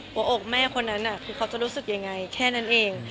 หัวอกแม่คนนั้นคือเขาจะรู้สึกยังไงแค่นั้นเอง